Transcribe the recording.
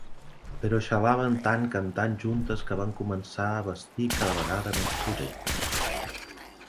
Però xalaven tant cantant juntes que van començar a bastir cada vegada més projectes.